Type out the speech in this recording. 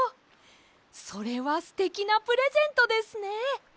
それはすてきなプレゼントですね。